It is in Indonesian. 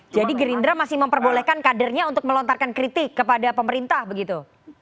jadi gerindra masih memperbolehkan kadernya untuk melontarkan kritik kepada pemerintah begitu